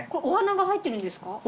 お花が入ってるんですか？